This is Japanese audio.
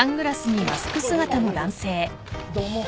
どうも。